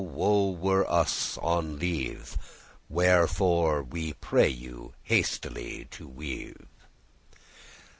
woe were us on live:* *alive Wherefore we pray you hastily to wive."